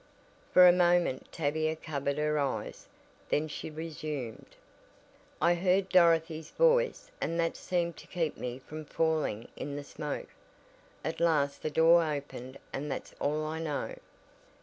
For a moment Tavia covered her eyes, then she resumed: "I heard Dorothy's voice and that seemed to keep me from falling in the smoke. At last the door opened and that's all I know."